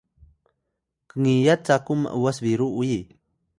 kngiyat caku m’was biru uyi